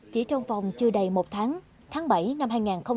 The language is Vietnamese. chỉ trong vòng chưa đầy một tháng tháng bảy năm hai nghìn một mươi năm